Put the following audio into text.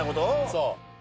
そう。